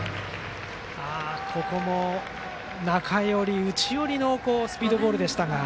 ここも中寄り、内寄りのスピードボールでしたが。